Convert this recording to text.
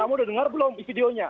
kamu udah dengar belum videonya